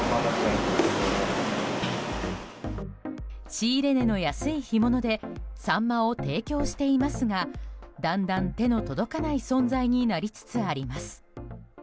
仕入れ値の安い干物でサンマを提供していますがだんだん手の届かない存在になりつつあります。